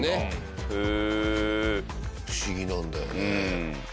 不思議なんだよね。